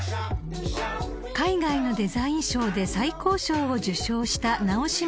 ［海外のデザイン賞で最高賞を受賞した］